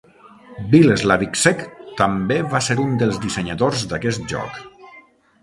Bill Slavicsek també va ser un dels dissenyadors d'aquest joc.